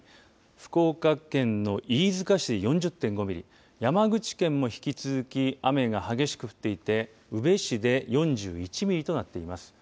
福岡県の飯塚市、４０．５ミリ山口県も引き続き雨が激しく降っていて宇部市で４１ミリとなっています。